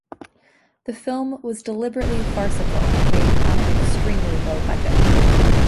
The film was deliberately farcical and made on an extremely low budget.